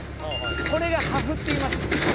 これが破風っていいます。